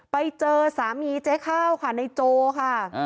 ไปเจอสามีเจ๊ข้าวค่ะในโจค่ะ